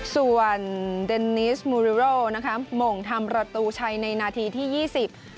ส่วนเดนนิสมูริโรนะคะหม่งทำประตูชัยในนาทีที่ยี่สิบ